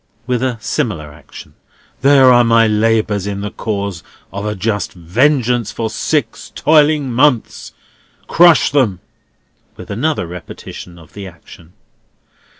With a similar action. "There are my labours in the cause of a just vengeance for six toiling months. Crush them!" With another repetition of the action.